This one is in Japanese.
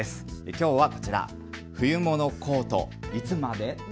きょうはこちら、冬物コートいつまで。